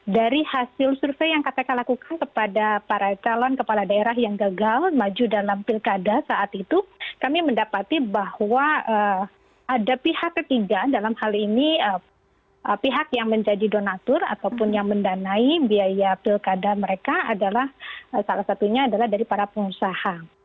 dari hasil survei yang kkk lakukan kepada para calon kepala daerah yang gagal maju dalam pilkada saat itu kami mendapati bahwa ada pihak ketiga dalam hal ini pihak yang menjadi donatur apapun yang mendanai biaya pilkada mereka adalah salah satunya adalah dari para pengusaha